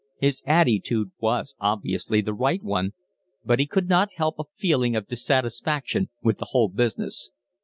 His attitude was obviously the right one, but he could not help a feeling of dissatisfaction with the whole business.